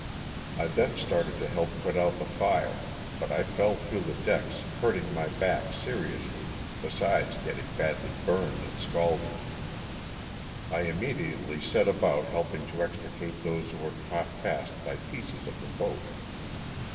I then started to help put out the fire, but I fell through the decks hurting my back seriously besides getting badly burned and scalded. I immediately set about helping to extricate those who were caught fast by pieces of the boat.